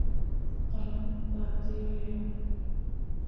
Galam batly ýöreýär